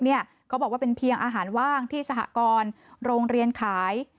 เขาบอกว่าเป็นเพียงอาหารว่างที่สหกรโรงเรียนขาย